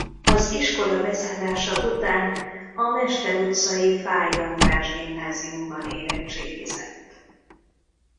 Az iskola bezárása után a Mester utcai Fáy András gimnáziumban érettségizett.